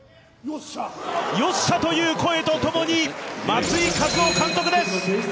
「よっしゃ！」という声とともに松井稼頭央監督です。